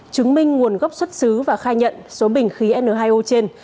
chứng minh nguồn gốc xuất xứ và khai nhận số bình khí n hai o trên